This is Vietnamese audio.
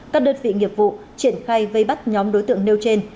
các đơn vị nghiệp vụ triển khai vây bắt nhóm đối tượng nêu trên